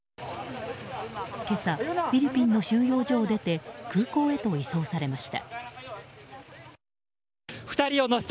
今朝フィリピンの収容所を出て空港へと移送されました。